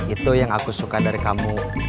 itu yang aku suka dari kamu